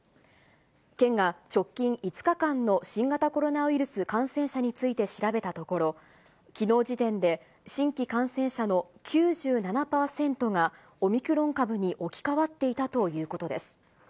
県が直近５日間の新型コロナウイルス感染者について調べたところ、きのう時点で新規感染者の９７％がオミクロン株に置き換わっていたということです。